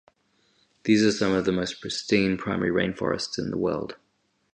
These are some of the most pristine primary rain forests in the world.